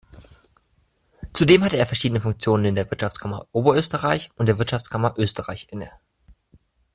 Zudem hatte er verschiedene Funktionen in der Wirtschaftskammer Oberösterreich und der Wirtschaftskammer Österreich inne.